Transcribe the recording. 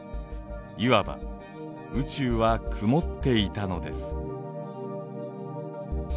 いわば宇宙は「曇って」いたのです。